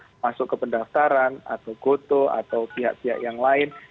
yang tadi sudah masuk ke pendaftaran atau gotoh atau pihak pihak yang lain